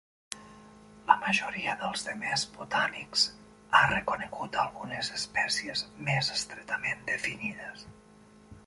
La majoria dels demés botànics ha reconegut algunes espècies més estretament definides.